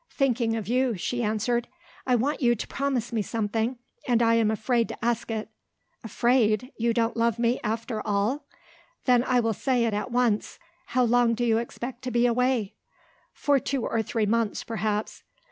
"Thinking of you," she answered. "I want you to promise me something and I am afraid to ask it." "Afraid? You don't love me, after all!" "Then I will say it at once! How long do you expect to be away?" "For two or three months, perhaps."